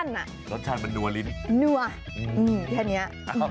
รสชาติเป็นนัวลิ้นนัวอืมแค่เนี้ย